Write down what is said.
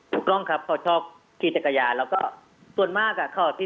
ถูกต้องครับเขาชอบขี่จักรยานแล้วก็ส่วนมากอะ